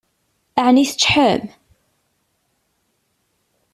Ɛni teččḥem?